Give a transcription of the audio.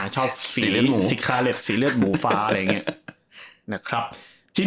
ชอบสีคาเล็บสีเลือดหมูฟ้าอะไรอย่างนี้นะครับ